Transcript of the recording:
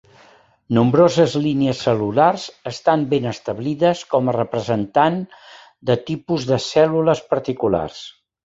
Nombroses línies cel·lulars estan ben establides com a representant de tipus de cèl·lules particulars.